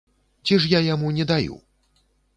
Ці ж я яму не даю?!